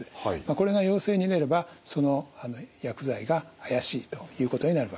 これが陽性になればその薬剤が怪しいということになるわけです。